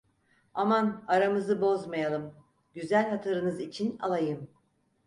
Aman, aramızı bozmayalım, güzel hatırınız içim alayım!